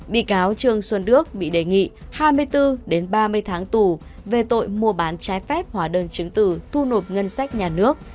bị cáo trương xuân đức bị đề nghị hai mươi bốn ba mươi tháng tù về tội mua bán trái phép hóa đơn chứng từ thu nộp ngân sách nhà nước